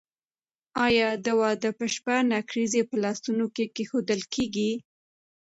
آیا د واده په شپه نکریزې په لاسونو نه کیښودل کیږي؟